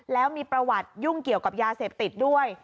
แล้วมีประวัติยุ่งเกี่ยวกับยาเสพติดด้วย